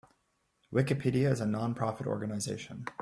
Wikipedia is a non-profit organization.